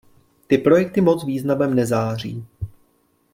Ty projekty moc významem nezáří.